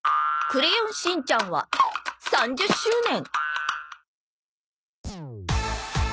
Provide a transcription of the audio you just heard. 『クレヨンしんちゃん』は３０周年。